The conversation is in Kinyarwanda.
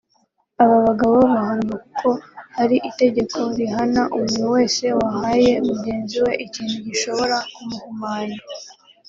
aba bagabo bahanwa kuko hari itegeko rihana umuntu wese wahaye mugenzi we ikintu gishobora ku muhumanya